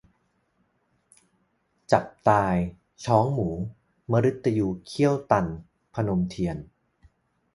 จับตาย : ช้องหมู มฤตยูเขี้ยวตัน - พนมเทียน